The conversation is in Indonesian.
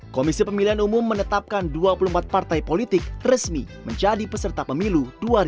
komisi pemilihan umum menetapkan dua puluh empat partai politik resmi menjadi peserta pemilu dua ribu dua puluh